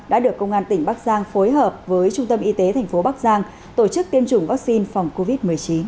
đã được công an tỉnh bắc giang phối hợp với trung tâm y tế tp bắc giang tổ chức tiêm chủng vaccine phòng covid một mươi chín